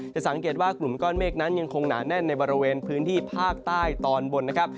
สังเกตว่ากลุ่มก้อนเมฆนั้นยังคงหนาแน่นในบริเวณพื้นที่ภาคใต้ตอนบนนะครับ